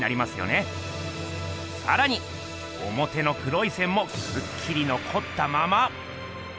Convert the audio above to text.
さらにおもての黒い線もくっきりのこったまま。